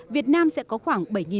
việt nam sẽ có khoảng